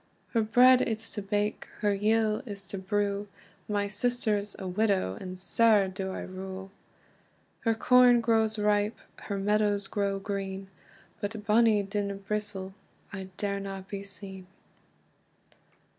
"Her bread it's to bake, her yill is to brew; My sister's a widow, and sair do I rue. "Her corn grows ripe, her meadows grow green, But in bonnie Dinnibristle I darena be seen."